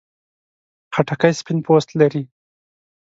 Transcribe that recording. خټکی سپین پوست لري.